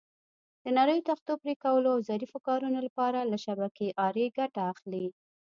د نریو تختو پرېکولو او ظریفو کارونو لپاره له شبکې آرې ګټه اخلي.